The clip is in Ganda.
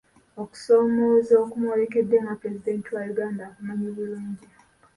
Okusoomooza okumwolekedde nga pulezidenti wa Uganda akumanyi bulungi.